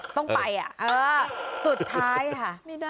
ก็คือเธอนี่มีความเชี่ยวชาญชำนาญ